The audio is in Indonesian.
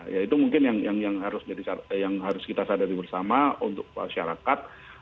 ya itu mungkin yang harus kita sadari bersama untuk masyarakat